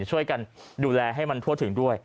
ช่วยกันดูแลให้มันทั่วถึงด้วย